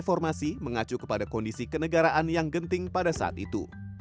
informasi mengacu kepada kondisi kenegaraan yang genting pada saat itu